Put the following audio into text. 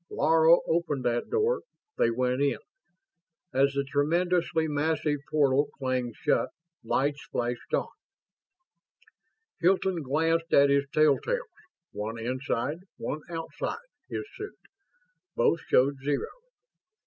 Laro opened that door. They went in. As the tremendously massive portal clanged shut, lights flashed on. Hilton glanced at his tell tales, one inside, one outside, his suit. Both showed zero.